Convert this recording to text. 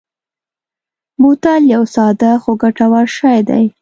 بوتل یو ساده خو ګټور شی دی.